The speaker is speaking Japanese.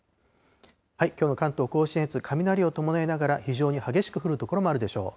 きょうの関東甲信越、雷を伴いながら、非常に激しく降る所もあるでしょう。